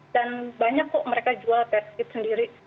dan banyak kok mereka jual test kit sendiri